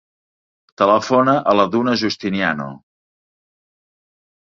Telefona a la Duna Justiniano.